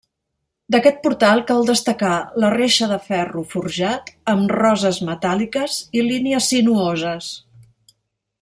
D'aquest portal cal destacar la reixa de ferro forjat amb roses metàl·liques i línies sinuoses.